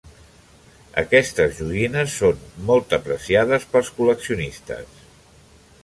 Aquestes joguines són molt apreciades pels col·leccionistes.